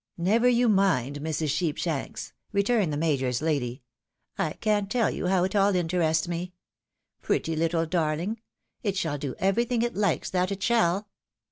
" Never you mind, Mrs. Sheepshanks,'' returned the major's lady, " I can't tell you how it all interests me ! Pretty httle darhng ! it shall do everything it Mkes, that it shall.